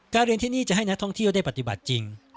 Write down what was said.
เรียนที่นี่จะให้นักท่องเที่ยวได้ปฏิบัติจริง